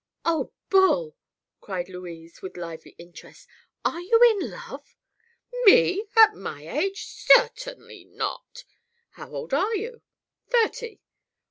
"Oh, Bul!" cried Louise with lively interest, "are you in love?" "Me? At my age? Cer tain ly not!" "How old are you?" "Thirty."